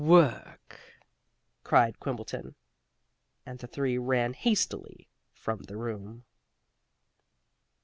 "Work!" cried Quimbleton, and the three ran hastily from the room.